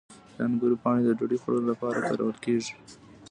د انګورو پاڼې د ډوډۍ پخولو لپاره کارول کیږي.